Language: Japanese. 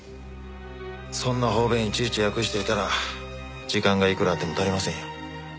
そんな方便いちいち訳していたら時間がいくらあっても足りませんよ。